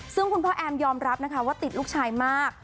ซึ่งคุณพ่อแอมยอมรับนะคะว่าติดลูกชายมาก